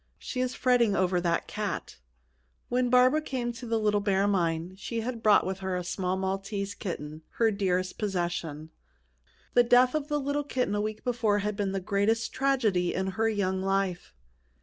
"She is fretting over that cat." When Barbara came to the Little Bear Mine, she had brought with her a small Maltese kitten, her dearest possession. The death of the little kitten a week before had been the greatest tragedy in her young life.